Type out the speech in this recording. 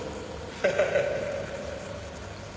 ハハハ。